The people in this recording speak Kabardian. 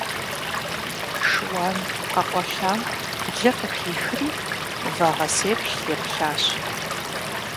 Шыуан къэкъуалъэм лы къыхихри, вагъэсеплъ еплъащ.